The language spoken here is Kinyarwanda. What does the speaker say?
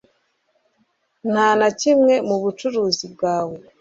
nta na kimwe mu bucuruzi bwawe